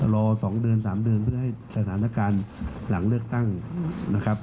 รอ๒เดือน๓เดือนเพื่อให้สถานการณ์หลังเลือกตั้งนะครับ